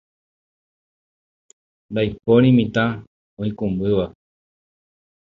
ndaipóri mitã oikũmbýva